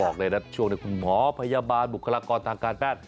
คุณหมอพยาบาลบุคลาตรกรนางการแปด